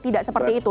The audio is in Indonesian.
tidak seperti itu